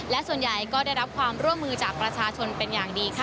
และส่วนใหญ่ก็ได้รับความร่วมมือจากประชาชนเป็นอย่างดีค่ะ